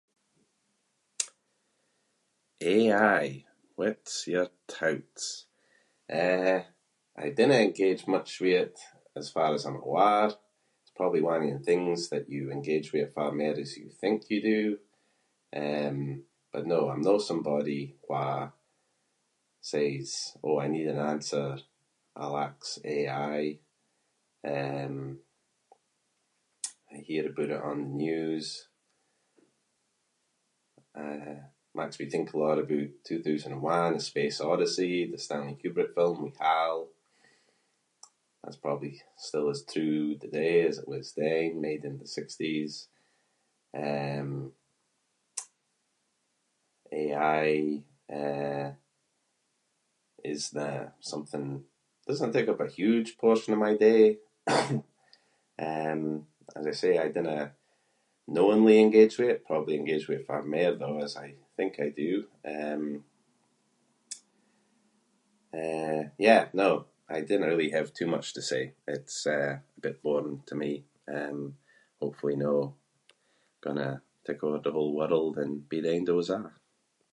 AI – what’s your thoughts? Eh, I dinna engage much with it as far as I’m aware. It’s probably one of yon things that you engage with awfu’ mair than you think you do. Um, but no, I’m no somebody who says “oh I need an answer, I’ll ask AI”. Um, I hear aboot it on the news. Eh, maks me think a lot aboot 2001: A Space Odyssey, the Stanley Kubrick film with HAL. That’s probably still as true today as it was then- made in the sixties. Um, AI, eh, isnae something- doesn't take up a huge portion of my day. Um, as I say I dinna knowingly engage with it- probably engage with it far mair though as I think I do. Um, eh, yeah, no, I dinna really have too much to say. It’s, eh, a bit boring to me. Um, hopefully no gonna take over the whole world and be the end of us a’.